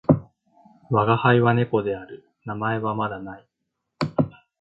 わがはいは猫である。名前はまだ無い。